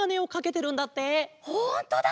ほんとだ！